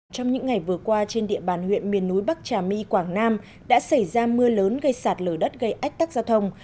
trong những ngày vừa qua trên địa bàn huyện miền núi bắc trà my quảng nam đã xảy ra mưa lớn gây sạt lở đất gây ách tắc giao thông